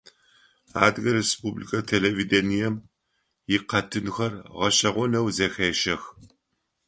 Адыгэ республикэ телевидением икъэтынхэр гъэшӀэгъонэу зэхещэх.